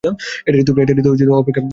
এটারই তো অপেক্ষা করছিলাম!